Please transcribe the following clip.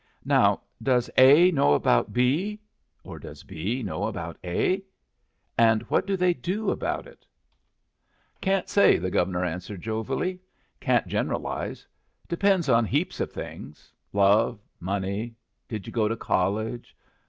Now, does A know about B? or does B know about A? And what do they do about it?" "Can't say," the Governor answered, jovially. "Can't generalize. Depends on heaps of things love money Did you go to college?